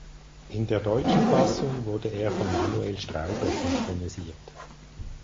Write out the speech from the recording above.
In der deutschen Fassung wurde er von Manuel Straube synchronisiert.